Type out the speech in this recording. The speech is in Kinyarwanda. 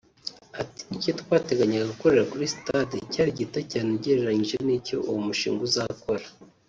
Ati “Icyo twateganyaga gukorera kuri Stade cyari gito cyane ugereranyije n’icyo uwo mushinga uzakora